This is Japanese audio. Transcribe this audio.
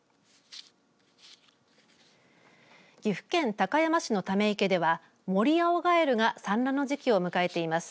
岐阜県高山市のため池ではモリアオガエルが産卵の時期を迎えています。